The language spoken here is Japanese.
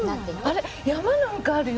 あれ山なんかあるよ